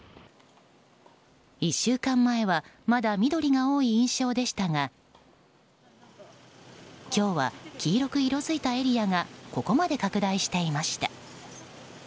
１週間前はまだ緑が多い印象でしたが今日は、黄色く色づいたエリアがここまで拡大していました。